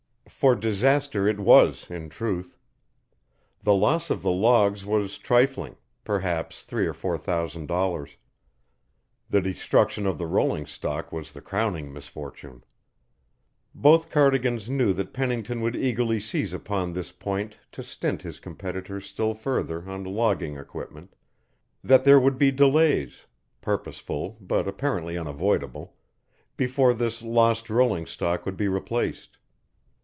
For disaster it was, in truth. The loss of the logs was trifling perhaps three or four thousand dollars; the destruction of the rolling stock was the crowning misfortune. Both Cardigans knew that Pennington would eagerly seize upon this point to stint his competitor still further on logging equipment, that there would be delays purposeful but apparently unavoidable before this lost rolling stock would be replaced.